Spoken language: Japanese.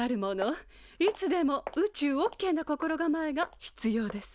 いつでも宇宙オッケーな心構えが必要です。